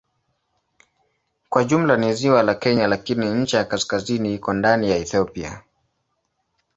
Kwa jumla ni ziwa la Kenya lakini ncha ya kaskazini iko ndani ya Ethiopia.